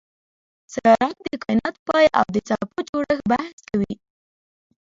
سیارات د کایناتو پای او د څپو جوړښت بحث کوي.